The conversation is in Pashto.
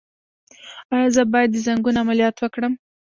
ایا زه باید د زنګون عملیات وکړم؟